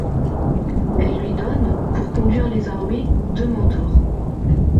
Elle lui donne, pour conduire les armées, deux mentors.